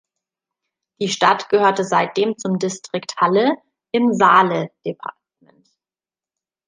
Die Stadt gehörte seitdem zum Distrikt Halle im Saale-Departement.